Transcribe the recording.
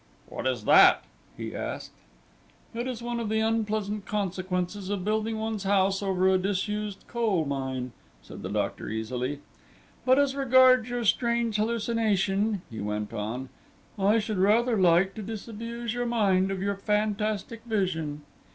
"What is that?" he asked. "It is one of the unpleasant consequences of building one's house over a disused coal mine," said the doctor easily; "but as regards your strange hallucination," he went on, "I should rather like to disabuse your mind of your fantastic vision."